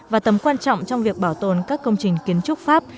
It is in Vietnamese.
và tầm quan trọng trong việc bảo tồn các công trình kiến trúc pháp